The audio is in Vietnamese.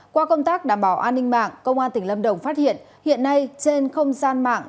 qua công tác đảm bảo an ninh mạng công an tỉnh lâm đồng phát hiện hiện nay trên không gian mạng